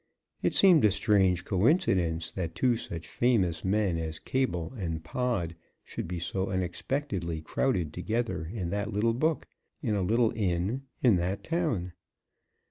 It seemed a strange coincidence that two such famous men as Cable and Pod should be so unexpectedly crowded together in that little book, in a little inn, in that town.